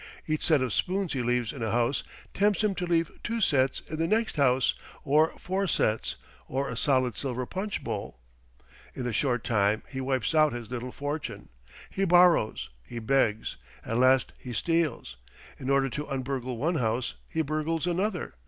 Each set of spoons he leaves in a house tempts him to leave two sets in the next house, or four sets, or a solid silver punch bowl. In a short time he wipes out his little fortune. He borrows. He begs. At last he steals! In order to un burgle one house he burgles another.